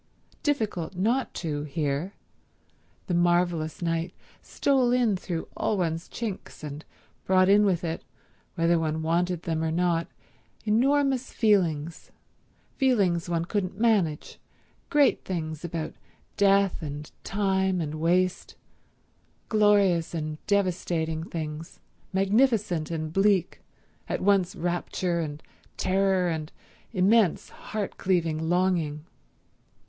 Difficult not to, here; the marvelous night stole in through all one's chinks, and brought in with it, whether one wanted them or not, enormous feelings—feelings one couldn't manage, great things about death and time and waste; glorious and devastating things, magnificent and bleak, at once rapture and terror and immense, heart cleaving longing.